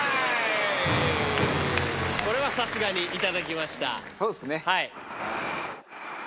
これはさすがに頂きました。